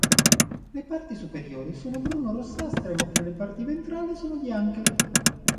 Le parti superiori sono bruno-rossastre, mentre le parti ventrali sono bianche.